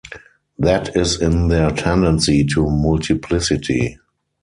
That is in their tendency to multiplicity.